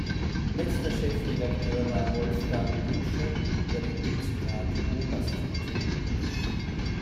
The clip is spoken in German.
Letzter Chefredakteur war Wolfgang Wünsche, der den Dienstgrad Oberst trug.